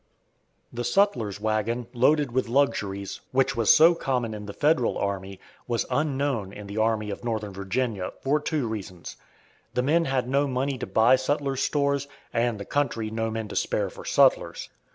The sutler's wagon, loaded with luxuries, which was so common in the Federal army, was unknown in the Army of Northern Virginia, for two reasons: the men had no money to buy sutlers' stores, and the country no men to spare for sutlers.